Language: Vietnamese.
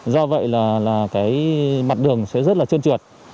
do vậy là cái mặt đường sẽ rất là trơn trượt